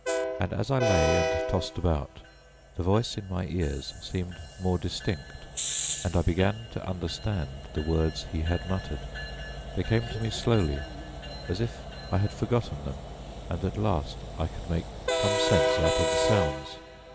And as I lay and tossed about, the voice in my ears seemed more distinct, and I began to understand the words he had muttered. They came to me slowly as if I had forgotten them, and at last I could make some sense out of the sounds.